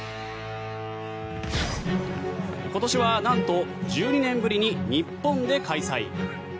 今年はなんと１２年ぶりに日本で開催。